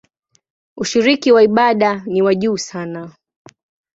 Ushiriki wa ibada ni wa juu sana.